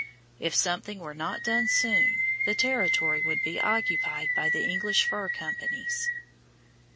If something were not done soon, the territory would be occupied by the English fur companies.